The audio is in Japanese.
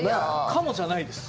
かもじゃないです。